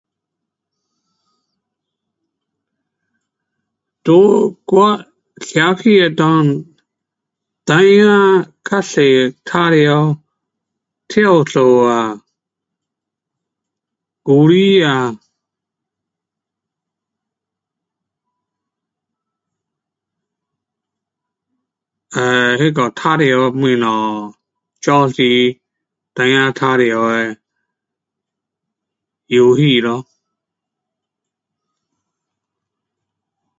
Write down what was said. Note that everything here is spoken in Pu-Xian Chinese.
在我社区那内，孩儿较多玩耍跳绳啊，guli 啊，[um]那个玩耍东西，早时孩儿玩耍的游戏咯。